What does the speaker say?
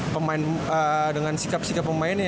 pemain dengan sikap sikap pemainnya